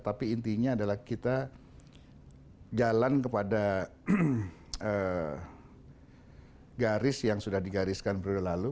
tapi intinya adalah kita jalan kepada garis yang sudah digariskan periode lalu